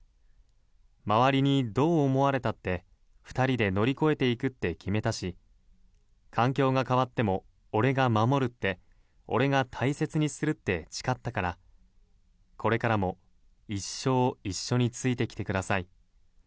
周りにどう思われたって２人で乗り越えていくって決めたし環境が変わっても俺が守るって俺が大切にするって誓ったからこれからも一生一緒についてきてください。